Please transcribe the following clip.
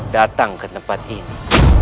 datang ke tempat ini